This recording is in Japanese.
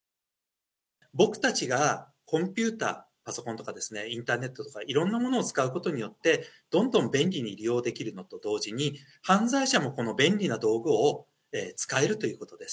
僕たちがコンピューター、パソコンとかですね、インターネットとか、いろんなものを使うことによって、どんどん便利に利用できるのと同時に、犯罪者もこの便利な道具を使えるということです。